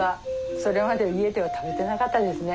それまで家では食べてなかったですね。